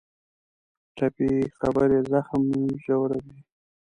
ټپي خبرې زخم ژوروي.